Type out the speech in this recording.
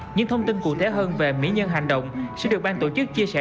những thông tin cụ thể hơn về mỹ nhân hành động sẽ được ban tổ chức chia sẻ